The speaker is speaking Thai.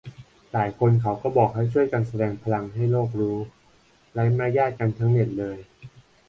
หลายคนเขาก็บอกว่าให้ช่วยกันแสดงพลังให้โลกรู้ - ไร้มารยาทกันทั้งเน็ตเลย